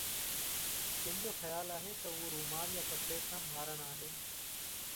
ڪن جو خيال آهي ته اهو رومال يا ڪپڙي سان مارڻ آهي.